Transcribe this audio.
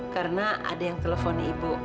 karena ada yang telepon ibu